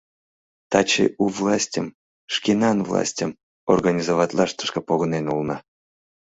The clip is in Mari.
Таче у властьым, шкенан властьым, организоватлаш тышке погынен улына.